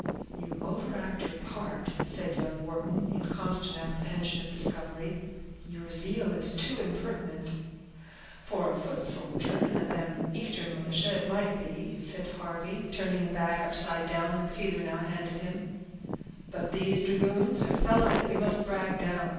"You overact your part," said young Wharton, in constant apprehension of discovery; "your zeal is too intemperate." "For a foot soldier and them Eastern militia, it might be," said Harvey, turning a bag upside down, that Caesar now handed him; "but these dragoons are fellows that you must brag down.